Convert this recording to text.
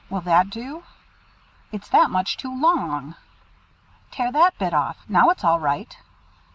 Will that do?" "It's that much too long." "Tear that bit off. Now it's all right."